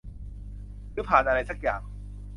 หรือผ่านอะไรซักอย่าง